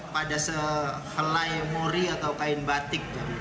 pada sehelai mori atau kain batik